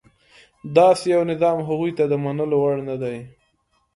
داسې یو نظام هغوی ته د منلو وړ نه دی.